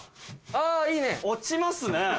あぁいいね。落ちますね。